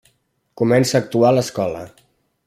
Comença a actuar a l'escola.